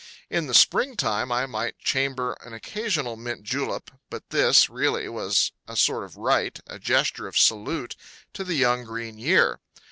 In the springtime I might chamber an occasional mint julep, but this, really, was a sort of rite, a gesture of salute to the young green year.